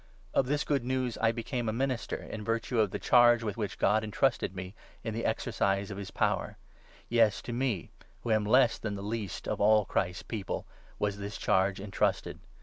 Of this Good News I became a minister, in virtue of the charge with which God entrusted me in the exercise of his power — yes, to me, who am less than the least of all Christ's People, was this charge entrusted